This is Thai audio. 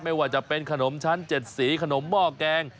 ไม่ว่าจะเป็นขนมชั้น๗สีขนมหม้อแกง